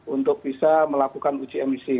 untuk bisa melakukan uji emisi